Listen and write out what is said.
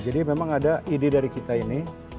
jadi memang ada ide dari kita ini